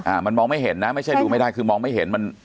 มันมองไม่เห็นนะไม่ใช่ดูไม่ได้คือมองไม่เห็นมัน